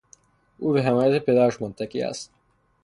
او به حمایت پدرش متکی است.